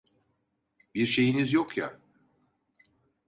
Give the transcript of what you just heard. Bir şeyiniz yok ya?